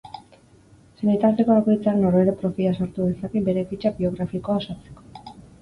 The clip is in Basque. Senitarteko bakoitzak norbere profila sortu dezake bere fitxa biografikoa osatzeko.